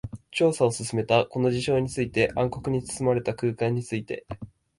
調査を進めた。この事象について、暗黒に包まれた空間について。